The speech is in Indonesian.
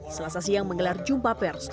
selasa siang menggelar jumpa pers